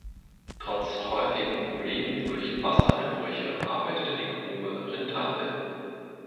Trotz häufigen Problemen durch Wassereinbrüche arbeitete die Grube rentabel.